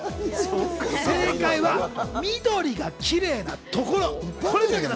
正解は、緑がきれいなところ。